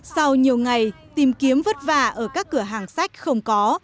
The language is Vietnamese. sau nhiều ngày tìm kiếm vất vả ở các cửa hàng sách không có